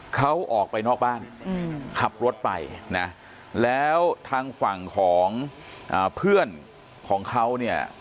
เขาออกไปนอกบ้านขับรถไปนะแล้วทางฝั่งของเพื่อนของเขาเนี่ย